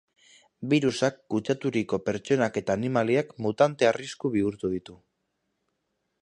Birusak kutsaturiko pertsonak eta animaliak mutante arriskutsu bihurtu ditu.